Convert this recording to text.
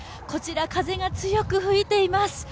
こちら、風が強く吹いています。